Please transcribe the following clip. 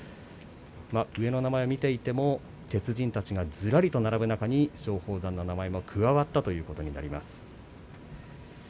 上の名前を見ていても鉄人たちがずらりと並ぶ中松鳳山の名前も加わったということになります。